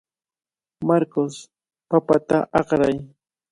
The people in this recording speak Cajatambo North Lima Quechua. Marcos, papata akray.